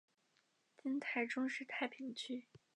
今台中市太平区。